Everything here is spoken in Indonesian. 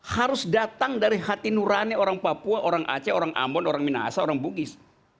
harus datang dari hati nurani orang papua orang aceh orang ambon orang minahasa orang bugis